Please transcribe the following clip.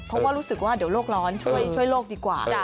เพราะว่ารู้สึกว่าเดี๋ยวโลกร้อนช่วยโลกดีกว่า